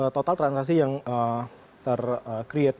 total transaksi yang ter create